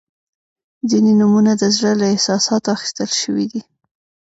• ځینې نومونه د زړه له احساساتو اخیستل شوي دي.